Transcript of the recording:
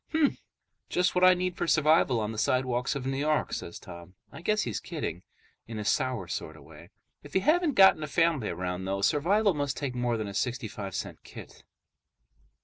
"Hmm. Just what I need for survival on the sidewalks of New York," says Tom. I guess he's kidding, in a sour sort of way. If you haven't got a family around, though, survival must take more than a sixty five cent kit.